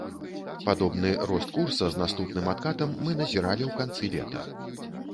Падобны рост курса з наступным адкатам мы назіралі ў канцы лета.